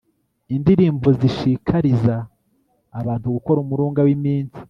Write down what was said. indirimbo zishikariza abantu gukora umurunga w'iminsi